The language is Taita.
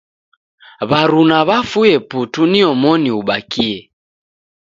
W'aruna w'afue putu ni omoni ubakie